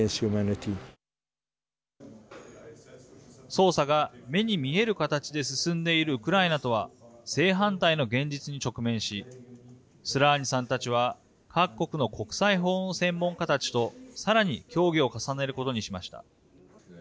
捜査が目に見える形で進んでいるウクライナとは正反対の現実に直面しスラーニさんたちは各国の国際法の専門家たちとさらに協議を重ねることにしました。